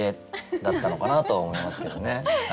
だったのかなとは思いますけどね。